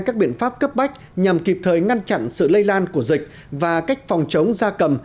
các biện pháp cấp bách nhằm kịp thời ngăn chặn sự lây lan của dịch và cách phòng chống da cầm